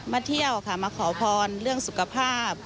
เที่ยวค่ะมาขอพรเรื่องสุขภาพ